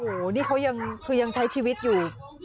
โหนี่เขายังใช้ชีวิตอยู่